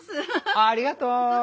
ありがとう！